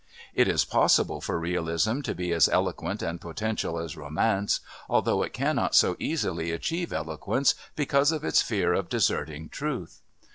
It is possible for Realism to be as eloquent and potential as Romance, although it cannot so easily achieve eloquence because of its fear of deserting truth.